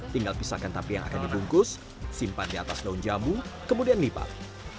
tinggal pisahkan tape yang akan dibungkus simpan di atas daun jambu kemudian lipat